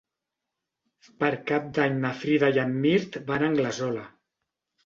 Per Cap d'Any na Frida i en Mirt van a Anglesola.